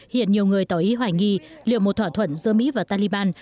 hiện nhiều người tỏ ý hoài nghi liệu một thỏa thuận giữa mỹ và taliban